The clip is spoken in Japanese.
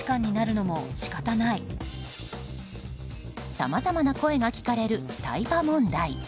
さまざまな声が聞かれるタイパ問題。